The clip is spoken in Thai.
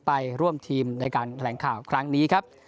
ไปร่วมทีมในการแถลงข่าวครั้งนี้ครับ